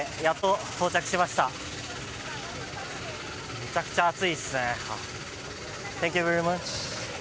めちゃくちゃ暑いですね。